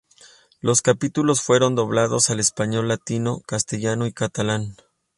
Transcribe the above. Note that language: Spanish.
Los capítulos fueron doblados al español latino, castellano y catalán.